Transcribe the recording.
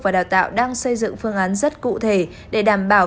và đào tạo đang xây dựng phương án rất cụ thể để đảm bảo